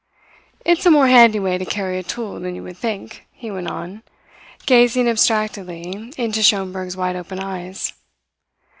"It's a more handy way to carry a tool than you would think," he went on, gazing abstractedly into Schomberg's wide open eyes.